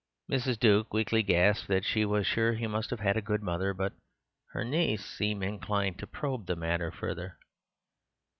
Mrs. Duke weakly gasped that she was sure he must have had a good mother; but her niece seemed inclined to probe the matter further.